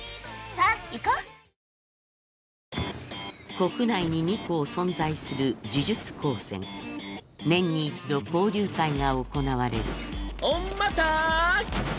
国内に２校存在する呪術高専年に一度交流会が行われるおっ待た！